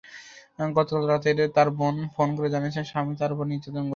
গতকাল রাতেও তাঁর বোন ফোন করে জানিয়েছেন, স্বামী তাঁর ওপর নির্যাতন করেছেন।